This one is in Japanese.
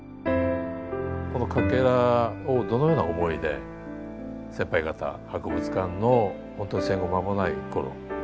このかけらをどのような思いで先輩方博物館のほんとに戦後間もないころ